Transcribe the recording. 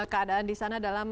keadaan disana dalam